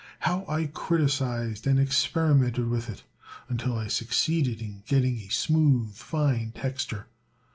How I criticised and experimented with it until I succeeded in getting a smooth, fine texture!